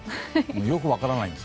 よく分からないんです。